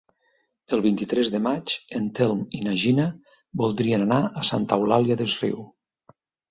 El vint-i-tres de maig en Telm i na Gina voldrien anar a Santa Eulària des Riu.